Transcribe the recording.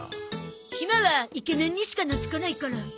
ひまはイケメンにしか懐かないから。